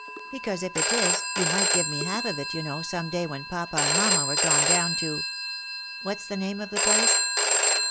Because if it is, you might give me half of it, you kno *, some day when papa and mamma were gone down to what's the name of the place